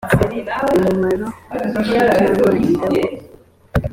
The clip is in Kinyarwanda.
umumaro n cyangwa indagu